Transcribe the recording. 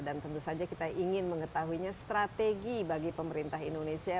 dan tentu saja kita ingin mengetahuinya strategi bagi pemerintah indonesia